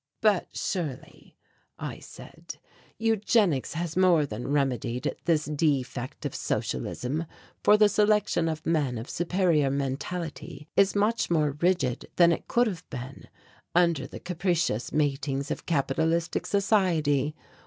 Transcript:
"But surely," I said, "eugenics has more than remedied this defect of socialism, for the selection of men of superior mentality is much more rigid than it could have been under the capricious matings of capitalistic society.